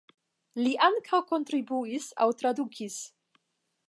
Li ankaŭ kontribuis aŭ tradukis.